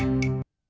jangan terlalu banyak